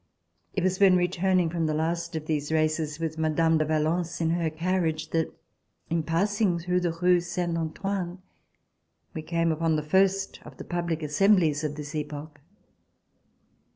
It was when returning from the last of these races with Mme. de Valence in her carriage that, in passing through the Rue Saint Antoine, we came upon the first of the public Assemblies of this epoch.